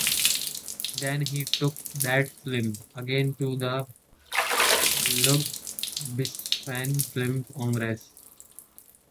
Then he took that film again to the Ludwigshafen Film Congress